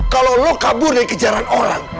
kalau lo kabur dari kejaran orang